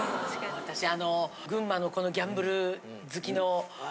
私あの群馬のこのギャンブル好きの。